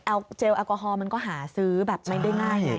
เอาเจลแอลกอฮอลมันก็หาซื้อแบบไม่ได้ง่าย